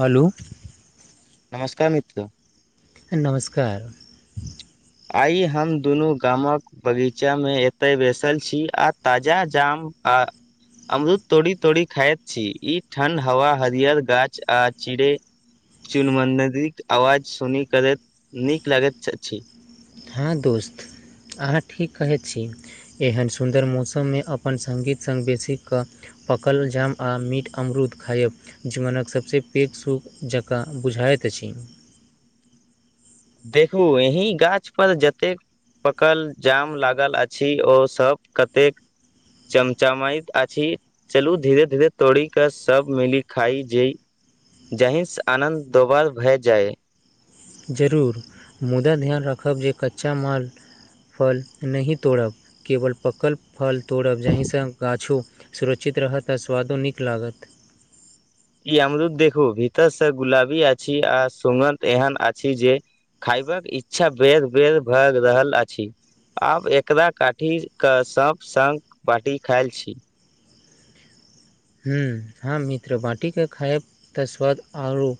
हलो। नमस्कार मित्र। नमस्कार। आइ हम दुनू गामक बगीचा में एतै बैसल छी आ ताजा जाम आ अमरूद तोड़ी-तोड़ी खायत छी, ई ठण्ड हवा हरियर गाछ आ चिड़ै चुनमुनदरीक अवाज सुनी करैत नीक लागैत अछि। हँ दोस्त, अहाँ ठीक कहैत छी। एहन सुन्दर मौसम में अपन संगीत संग बेसी कऽ पकल जाम आ मीठ अमरूद खायब। जीवनक सभसँ पैघ सुख जकाँ बुझायत अछि। देखू एहिं गाछ पर जतेक पकल जाम लागल अछि ओ सब कतेक चमचमाइत अछि। चलू धीरे-धीरे तोड़ी कऽ सब मिली खाइ जे इ जहिसँ आनन्द दोबार भए जाय। जरूर मुदा ध्यान राखब जे कच्चा माल फल नहि तोड़ब केवल पकल फल तोड़ब जाहिसँ गाछो सुरक्षित रहत आ स्वादो नीक लागत। ई अमरूद देखू भीतरसँ गुलाबी अछि आ सुगंध एहन आछि जे खयबाक इच्छा बेर-बेर भए रहल अछि। आब एकरा काटी कऽ सब संग बाटि के खायत छी। हूँ हँ मित्र बाटिके खायब तऽ स्वाद औरो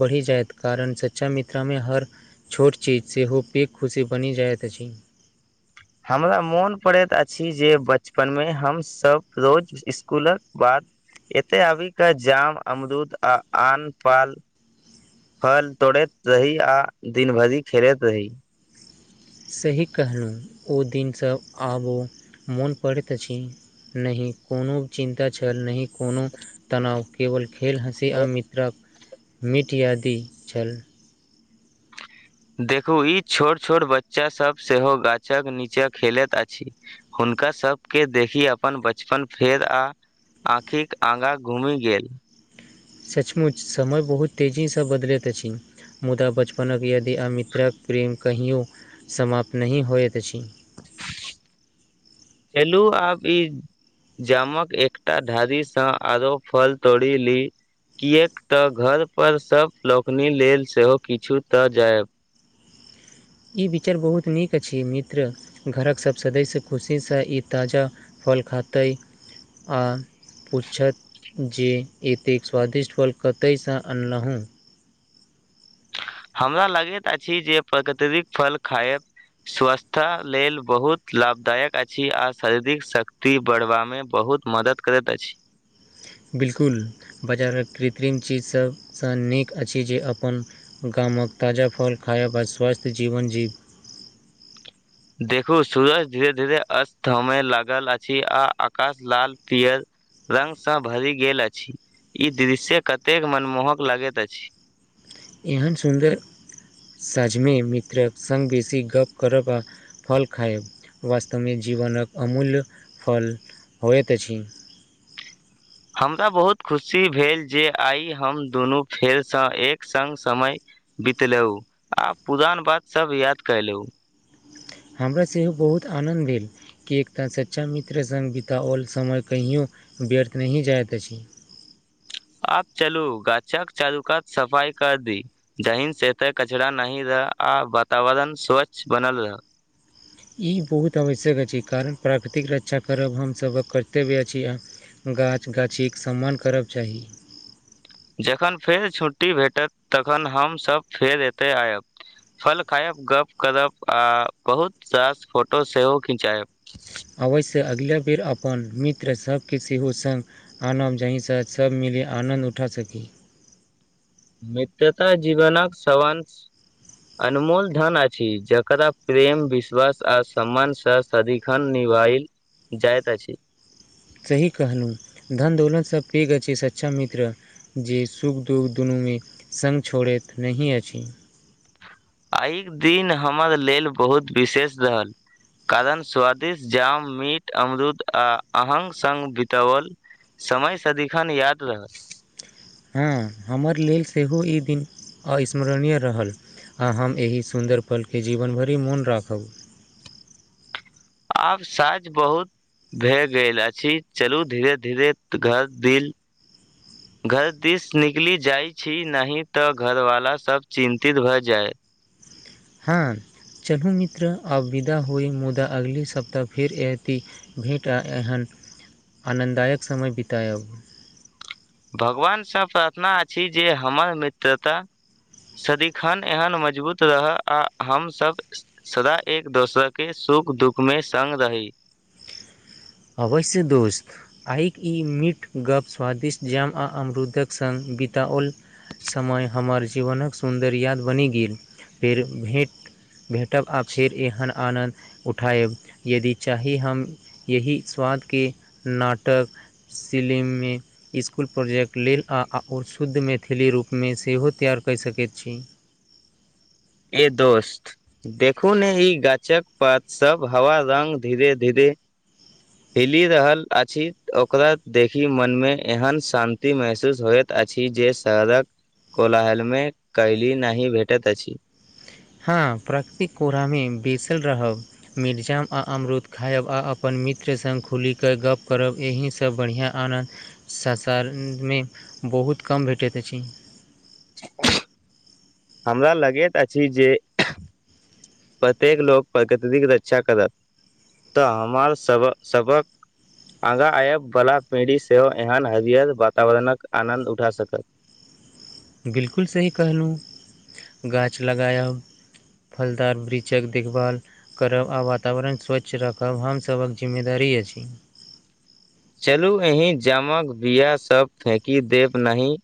बढ़ि जैत कारण सच्चा मित्र में हर छोट चीज सेहो पेघ खुशी बनि जाइत अछि। हमरा मोन पड़ैत अछि जे बचपन में हम सब रोज इ इसकुलक बाद एते अभी कऽ जाम अमरूद आ आन पाल फल तोड़ैत रही आ दिन भरि खेलैत रही। सही कहलूँ ओ दिन सब आब ओ मोन पड़ैत अछि। नहि कुनो चिन्ता छल नहि कुनो तनाव केवल खेल, हँसी आ मित्रक मीट यादि छल। देखू ई छोट-छोट बच्चा सब सेहो गाछक नीचा खेलैत अछि। हुनका सबके देखी अपन बचपन फेर आ आँखिक आँगा घुमि गेल। सचमुच समय बहुत तेजी सँ बदलैत अछि। मुदा बचपनक यदि आ मित्रक प्रेम कहियो समाप्त नहि होयत अछि। चलु आब ई जामक एकटा धारी सऽ आरो फल तोड़ी ली। किएक तऽ घर पर सब लोकनि लेल सेहो किछु तऽ जायब। ई विचार बहुत नीक अछि मित्र घरक सब सदस्य खुशी सऽ ई ताजा फल खातै आ पूछत जे एतेक स्वादिष्ट फल कतय से अनलहुँ। हमरा लागैत अछि जे प्रगत्रिक फल खायब स्वस्था लेल बहुत लाभदायक अछि आ शारीरिक शक्ति बढ़बा मे बहुत मदद करत अछि। बिल्कुल बजारक कृत्रिम चीज सबसे नीक अछि जे अपन गामक ताजा फल खायब आ स्वस्थ जीवन जीब देखु सूरज धीरे-धीरे अस्त होमे लागल अछि आ अकाश लाल-पियर रंग सँ भरि गेल अछि, ई दृश्य कतेक मनमोहक लागैत अछि। एहन सुन्दर सांझ मे मित्रक संग बेसी गप्प करब आ फल खायब वास्तव मे जीवनक अमूल्य फल होएत अछि। हमरा बहुत खुशी भेल जे आइ हम दुनू फेर सँ एक संग समय बितलौ आ पुरान बात सब याद कैलु। हमरा सेहो बहुत आनन्द भेल। कि एकता सच्चा मित्र संग बिताओल समय कहियो व्यर्थ नहि जाएत अछि। आब चलु गाछक चारु कात सफाई कर दी। जहिन से एता कचरा नहि रह आ वातावरण स्वच्छ बनल रहाए। ई बहुत आवश्यक अछि कारण प्राकृतिक रक्षा करब हम सबक कर्तव्य अछि आ गाछ-गाछीक सम्मान करब चाही। जखन फेर छुट्टी भेटत तखन हम सब फेर एतय आयब। फल खायब, गप्प करब आ बहुत सास फोटो सेहो खिचायब। अवश्य अगिला बेर अपन मित्र सब के सेहो संग आनब जहि से सब मिली आनन्द उठा सकी। मित्रता जीवनक स्वांस अनमोल धन अछि, जकरा प्रेम विश्वास आ सम्मान सँ सदिखन निभाइल जाएत अछि। सही कहलु धन दौलत से पेघ अछि सच्चा मित्र। जे सुख-दुख दुनूमे संग छोड़ैत नहि अछि। आइक दिन हमर लेल बहुत विशेष रहल। कारण स्वादिष्ट जाम, मीट, अमरूद आ अहंग संग बितावल समय सदिखन याद रहत। हूं हमर लेल सेहो ई दिन अस्मरणीय रहल। आ हम एहि सुन्दर पलके जीवन भरि मोन राखब। आब साझ बहुत भए गेल अछि चलू धीरे- धीरे घर दिल घर दिस निकली जाय छी नहीं तऽ घर वाला सब चिन्तित भऽ जाय। हूं, चलू मित्र अब विदा होइ मुदा अगली सप्ताह फेर एती भेँट आ एहन आनन्ददायक समय बितायब। भगवान स प्रार्थना अछी जे हमर मित्रता सदिखन एहन मजबूत रह आ हमसब सदा एक दोसर के सुख-दुःख मे संग रही। अवश्य दोस्त। आइक ई मिठ गप्प स्वादिष्ट जाम आ अमरूदक संग बिताओल समय हमर जीवनक सुन्दर याद बनि गेल, फेर भेँट भेंटब आ फेर एहन आनन्द उठायब यदि चाही हम यही स्वादके नाटक सिलिममे इस्कुल प्रोजेक्ट लेल आओर शुद्ध मैथिली रूपमे सेहो तैआर कय सकैत छी। ए दोस्त देखू ने ई गाछक पात सब हवा रंग धीरे- धीरे हिलि रहल अछि ओकरा देखि मनमे एहन शान्ति महसूस होयत अछि जे शहरक कोलाहल मे कयली नहि भेटैत अछि। हँ प्रकृतिक कोरामे बेसल रहब मिठ जाम आ अमरुद खायब आ अपन मित्र सङ्ग खुलि कऽ गप्प करब एहिसँ बढ़ियां आनन्द संसारमे बहुत कम भेटैत अछि। छै नै। हमरा लगैत अछि जे प्रत्येक लोक प्रकृतितिक रक्षा करत। तऽ हमार सब सबक आगाँ आयबवला पीढ़ी सेहो एहन हरियर वातावरणक आनन्द उठा सकत। बिल्कुल सही कहलुं। गाछ लगायब फलदार वृक्षक देखभाल करब आ वातावरण स्वच्छ राखब हमसभक जिम्मेदारी अछि। चलू एहीं जामक बिया सब फेंकि देब नही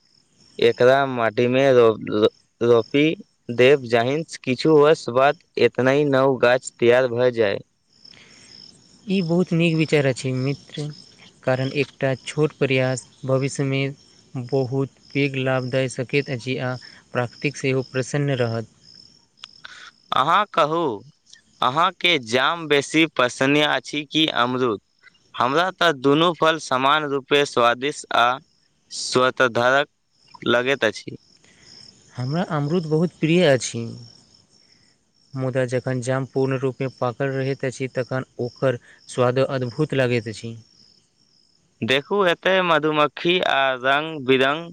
एकरा माटी मे रो रो रोपी देब जाहिंस किछु वर्ष बाद एतना ही नव गाछ तैयार भए जाय। ई बहुत नीक विचार अछि मित्र, कारण एकटा छोट प्रयास भविष्य में बहुत पैघ लाभ दय सकैत अछि आ प्राकृतिक सेहो प्रसन्न रहत। अहाँ कहू। अहाँके जाम बेसी पसन्न अछि की अमरुद? हमरा तऽ दुनू फल समान रूपे स्वादिष्ट आ स्वतःधारक लगैत अछि। हमरा अमरुद बहुत प्रिय अछि। मुदा जखन जाम पूर्ण रूपें पाकल रहैत अछि तखन ओकर स्वाद अद्भुत लागैत अछि। देखू एते मधुमक्खी आ रंग-बिरंग।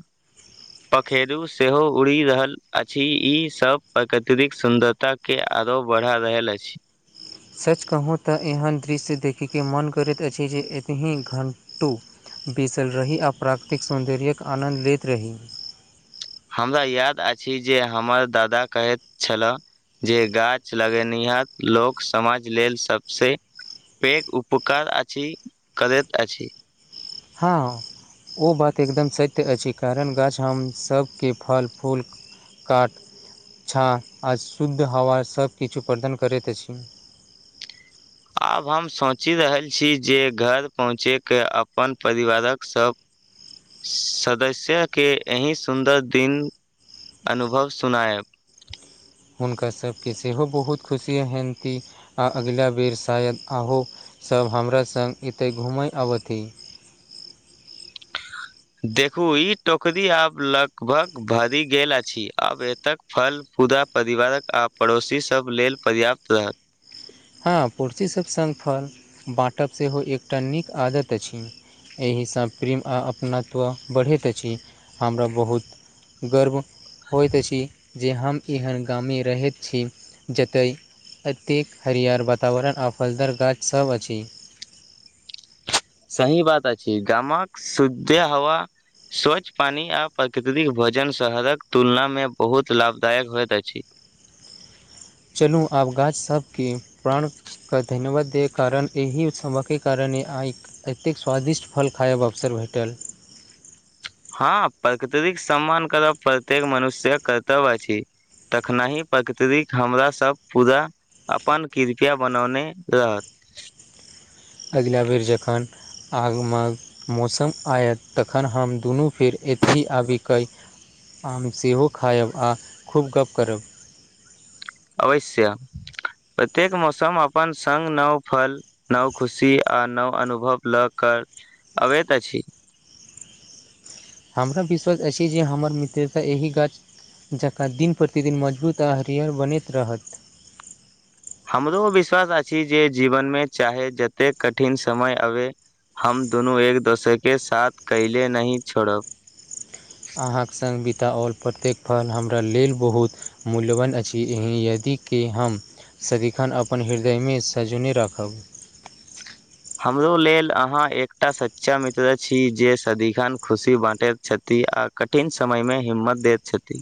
पखेरू सेहो उड़ि रहल अछि ई सब प्रकृततिक सुन्दरता के आरो बढ़ा रहल अछि। सच कहूँ तऽ एहन दृश्य देखयके मोन करैत अछि जे एतहिं घण्टो बैसल रही आ प्राकृतिक सौन्दर्यके आनन्द लेत रही। हमरा याद अछि जे हमर दादा कहैत छला। जे गाछ लगेनिहार लोक समाज लेल सबसे पेघ उपकार अछि करैत अछि। हँ। ओ बात एकदम सत्य अछि कारण गाछ हम सबके फल फूल काट छांट आ शुद्ध हवा सब किछु प्रदान करैत अछि। आब हम सोचि रहल छी जे घर पहुँचिकेॅं अपन परिवारक सब सदस्य के एहि सुन्दर दिन अनुभव सुनायब। हुॅंनका सब के सेहो बहुत खुशी एहनती आ अगला बेर शायद आहो सब हमरा संग एतय घूमै अबथिन। देखू ई टोकरी आब लगभग भरि गेल अछि आब ए तक फल फुदा परिवारक आ पड़ोसी सब लेल पर्याप्त रहत। हँ पुर्सी सब संगफल बाँटब सेहो एकटा नीक आदत अछि। एहिसँ प्रेम आ अपनत्व बढ़ैत अछिहमरा बहुत गर्व होइत अछि जे हम एहन गामे रहैत छी जतय एतेक हरिहर वातावरण आ फलदार गाछ सब अछि। सही बात अछि गांमक शुद्ध हवा स्वच्छ पानि आ प्राकृतिक भोजन शहरकऽ तुलनामे बहुत लाभदायक होइत अछि। चलू आब गाछ सबके प्राण कऽ धन्यवाद दे कारण एहि सबक कारण आई एतेक स्वादिष्ट फल खायब अवसर भेटल। हँ प्रकृतिक सम्मान करब प्रत्येक मनुष्यक कर्तव्य अछि। तखनहि प्रकृतिक हमरा सब पूरा अपन कृपया बनौने रहत। अगिला बेर जखन आगमक मौसम आयत तखन हम दुनू फेर एतहि आबिकैअ आम सेहो खायब आ खूब गप करब। अवश्य प्रत्येक मौसम अपन संग नव फल नव खुशी, आ नव अनुभव लऽ के अबैत अछि। हमरा विश्वास अछि जे हमर मित्रता एहि गाछ- जकरा दिन प्रतिदिन मजबूत आ हरिहर बनैत रहत। हमरो विश्वास अछि जे जीवनमे चाहे जतेक कठिन समय अबे। हम दुनू एक दोसरके साथ कैले नहि छोड़ब। अहाक सङ्ग बिताओल प्रत्येक पल हमरा लेल बहुत मूल्यवान अछि एहि यदिक- की हम सदिखन अपन हृदयमे सजौने राखब। हमरो लेल आहाँ एकटा सच्चा मित्र अछि जे सदिखन खुशी बाँटैत छथि आ। कठिन समय मे हिम्मत दैत छथि।